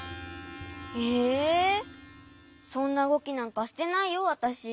えそんなうごきなんかしてないよわたし。